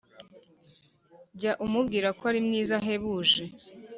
jya umubwira ko ari mwiza ahebuje,